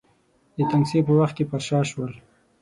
د تنګسې په وخت کې پر شا شول.